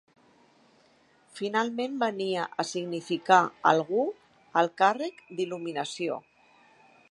Finalment venia a significar algú al càrrec d'il·luminació.